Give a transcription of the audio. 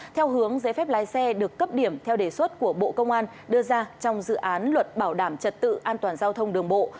theo hướng giấy phép lái xe được cấp điểm theo đề xuất của bộ công an đưa ra trong dự án luật bảo đảm trật tự an toàn giao thông đường bộ